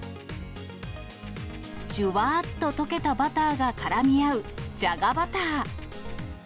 じゅわーっと溶けたバターがからみ合うじゃがバター。